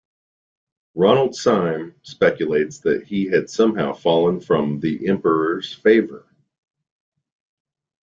Ronald Syme speculates that he had somehow fallen from the Emperor's favour.